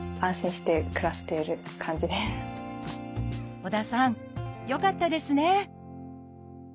織田さんよかったですね！